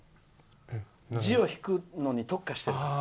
字を引くのに特化してる。